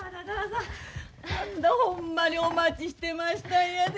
ほんまにお待ちしてましたんやで。